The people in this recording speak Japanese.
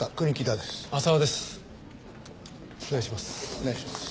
お願いします。